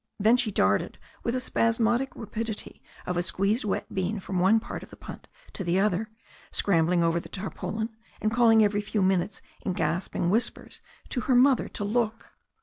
Then she darted with the spasmodic rapidity of a squeezed wet bean from one part of the punt to the other, scrambling over the tarpaulin, and calling every few minutes in gasping whispers to her mother to look.